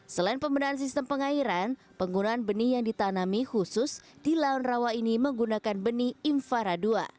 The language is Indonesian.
selain pembenahan sistem pengairan penggunaan benih yang ditanami khusus di laut rawa ini menggunakan benih infara dua